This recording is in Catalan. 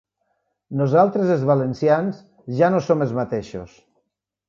Nosaltres els valencians, ja no som els mateixos.